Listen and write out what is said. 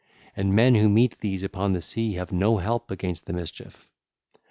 And men who meet these upon the sea have no help against the mischief.